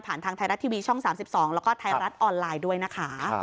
ทางไทยรัฐทีวีช่อง๓๒แล้วก็ไทยรัฐออนไลน์ด้วยนะคะ